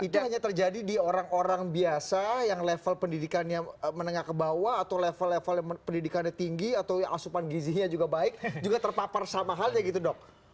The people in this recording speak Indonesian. itu hanya terjadi di orang orang biasa yang level pendidikannya menengah ke bawah atau level level yang pendidikannya tinggi atau asupan gizinya juga baik juga terpapar sama halnya gitu dok